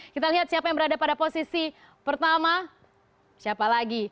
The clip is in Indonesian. kita lihat siapa yang berada pada posisi pertama siapa lagi